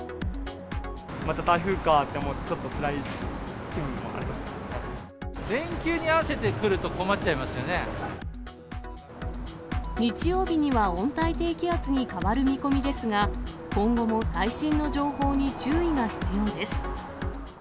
また台風かって思うと、連休に合わせてくると困っち日曜日には温帯低気圧に変わる見込みですが、今後も最新の情報に注意が必要です。